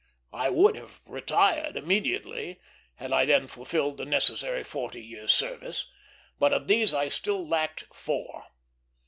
I would have retired immediately, had I then fulfilled the necessary forty years' service; but of these I still lacked four.